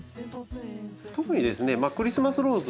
特にクリスマスローズはですね